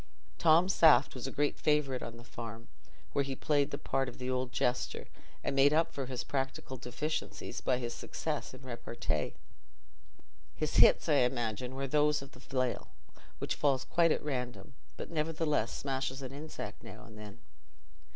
"Tom Saft" was a great favourite on the farm, where he played the part of the old jester, and made up for his practical deficiencies by his success in repartee. His hits, I imagine, were those of the flail, which falls quite at random, but nevertheless smashes an insect now and then.